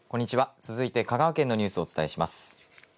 続いて香川県のニュースをお伝えします。